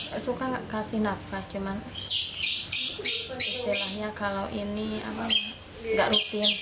saya suka tidak kasih nafas cuma istilahnya kalau ini tidak rutin